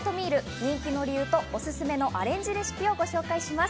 人気の理由とおすすめのアレンジレシピをご紹介します。